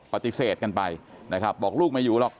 ปฏิเสธกันไปนะครับบอกลูกไม่อยู่หรอก